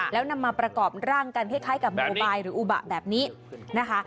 แล้วนำมาประกอบร่างกันคล้ายกับโมบายหรืออุบะแบบนี้นะคะ